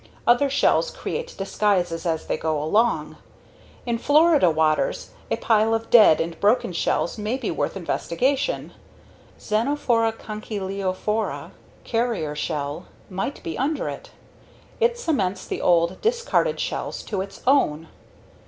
Other shells create disguises as they go along. In Florida waters, a pile of dead and broken shells may be worth investigation: XENOPHORA CONCHYLIOPHORA ("carrier shell") might be under it; it cements the old, discarded shells to its own.